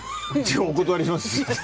お断りします。